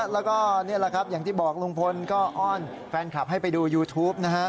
แล้วก็นี่แหละครับอย่างที่บอกลุงพลก็อ้อนแฟนคลับให้ไปดูยูทูปนะฮะ